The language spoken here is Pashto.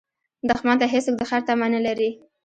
دښمن ته هېڅوک د خیر تمه نه لري